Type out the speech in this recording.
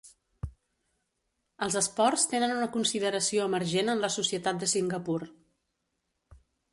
Els esports tenen una consideració emergent en la societat de Singapur.